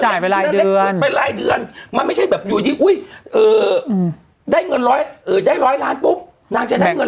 เขาทะย้อยจ่ายไปลายเดือนมันไม่ใช่แบบอยู่ดีได้๑๐๐ล้านปุ๊บนางจะได้เงิน๙๐